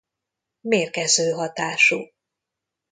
Mérgező hatású.